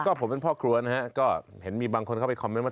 ก็ผมเป็นพ่อครัวนะฮะก็เห็นมีบางคนเข้าไปคอมเมนต์